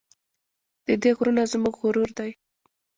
د دې غرونه زموږ غرور دی؟